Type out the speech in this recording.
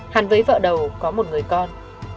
hắn với vợ đầu có một người con